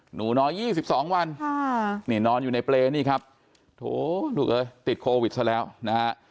หนูน้อย๒๒วันนี่นอนอยู่ในเปรย์นี่ครับโถลูกเอ้ยติดโควิดซะแล้วนะฮะ